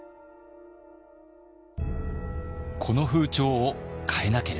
この風潮を変えなければ！